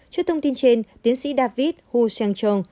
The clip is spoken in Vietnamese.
trước thông tin trên tiến sĩ david hu shan chong